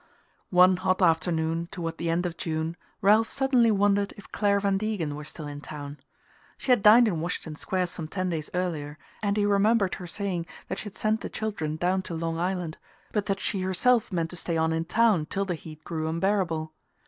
One hot afternoon toward the end of June Ralph suddenly wondered if Clare Van Degen were still in town. She had dined in Washington Square some ten days earlier, and he remembered her saying that she had sent the children down to Long Island, but that she herself meant to stay on in town till the heat grew unbearable.